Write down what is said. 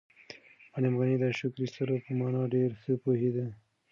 معلم غني د شکر ایستلو په مانا ډېر ښه پوهېده.